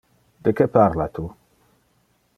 De que parla tu?